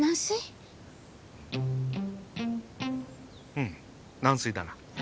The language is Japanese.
うん軟水だな。